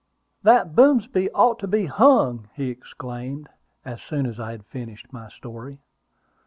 "That Boomsby ought to be hung!" he exclaimed, as soon as I had finished my story.